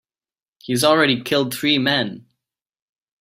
He's already killed three men.